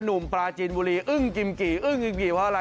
ปลาจีนบุรีอึ้งจิมกี่อึ้งกิมกี่เพราะอะไร